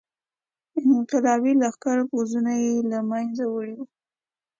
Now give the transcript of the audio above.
انقلابي لښکرو پوځونه له منځه وړي وو.